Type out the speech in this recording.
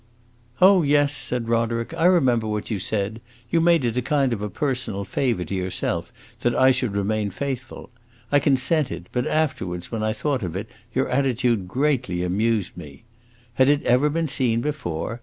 "Oh yes," said Roderick, "I remember what you said; you made it a kind of personal favor to yourself that I should remain faithful. I consented, but afterwards, when I thought of it, your attitude greatly amused me. Had it ever been seen before?